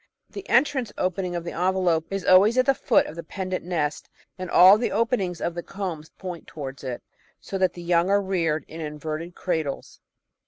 The entrance opening of the envelope is always at the foot of the pendant nest, and all the openings of the combs point towards it, so that the young are reared in inverted cradles.